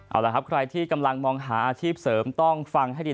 เอาละครับใครที่กำลังมองหาอาชีพเสริมต้องฟังให้ดี